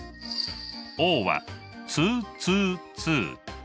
Ｏはツーツーツー。